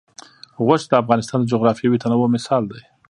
غوښې د افغانستان د جغرافیوي تنوع مثال دی.